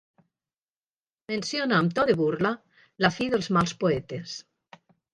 Menciona amb to de burla la fi dels mals poetes.